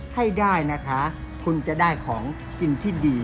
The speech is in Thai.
ให้ได้นะคะคุณจะได้ของกินที่ดี